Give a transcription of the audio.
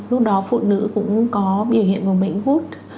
lúc đó phụ nữ cũng có biểu hiện của bệnh gút